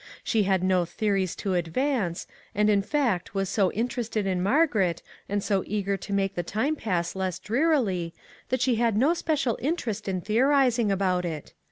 She had no theories to advance, and in fact was so in terested in Margaret, and so eager to make the time pass less drearily, that she had no special interest in theorizing about it.